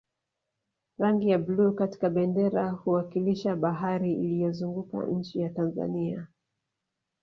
rangi ya bluu katika bendera huwakilisha bahari iliyozunguka nchi ya tanzania